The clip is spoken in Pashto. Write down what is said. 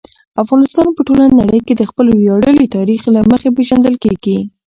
افغانستان په ټوله نړۍ کې د خپل ویاړلي تاریخ له مخې پېژندل کېږي.